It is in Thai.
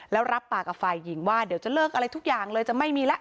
แล้วรับปากกับฝ่ายหญิงว่าเดี๋ยวจะเลิกอะไรทุกอย่างเลยจะไม่มีแล้ว